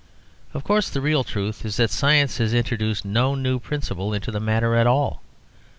Of course the real truth is that science has introduced no new principle into the matter at all.